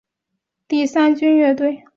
正式名称为妖精帝国第三军乐队。